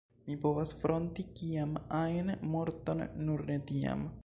Mi povas fronti kian ajn morton, nur ne tian.